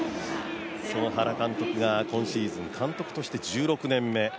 その原監督が今シーズン、監督として１６年目。